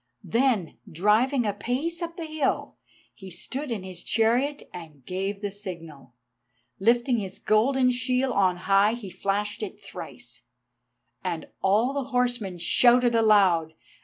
Then, driving apace up the hill, he stood in his chariot and gave the signal. Lifting his golden shield on high he flashed it thrice, and all the horsemen shouted aloud.